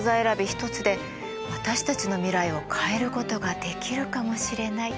ひとつで私たちの未来を変えることができるかもしれない。